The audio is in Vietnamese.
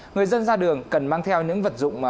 người dân ra đường cần mang theo những vật dụng